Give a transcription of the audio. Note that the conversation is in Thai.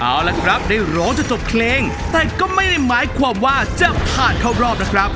เอาละครับได้ร้องจนจบเพลงแต่ก็ไม่ได้หมายความว่าจะผ่านเข้ารอบนะครับ